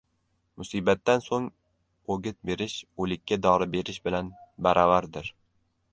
• Musibatdan so‘ng o‘git berish o‘likka dori berish bilan baravardir.